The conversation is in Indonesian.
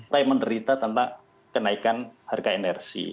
tapi menderita tentang kenaikan harga inersi